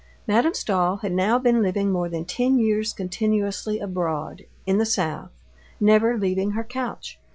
Madame Stahl had now been living more than ten years continuously abroad, in the south, never leaving her couch.